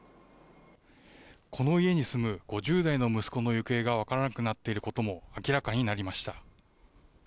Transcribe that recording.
この家に住む５０代の息子の行方が分からなくなっていることも、明らかになりました。